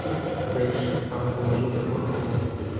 বেশ, আমি বুটজুতোই পরব।